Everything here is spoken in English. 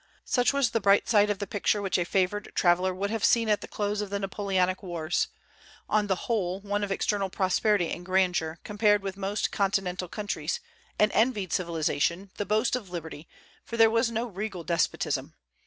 Such was the bright side of the picture which a favored traveller would have seen at the close of the Napoleonic wars, on the whole, one of external prosperity and grandeur, compared with most Continental countries; an envied civilization, the boast of liberty, for there was no regal despotism.